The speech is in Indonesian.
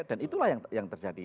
dan itulah yang terjadi